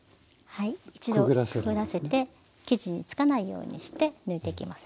はい一度くぐらせて生地につかないようにして抜いていきます。